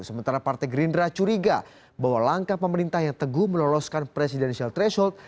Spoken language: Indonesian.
sementara partai gerindra curiga bahwa langkah pemerintah yang teguh meloloskan presidensial threshold